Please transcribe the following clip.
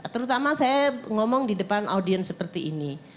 terutama saya ngomong di depan audiens seperti ini